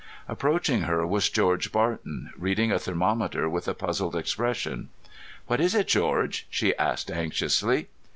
Approaching her was George Barton, reading a thermometer with a puzzled expression. "What is it, George?" she asked anxiously.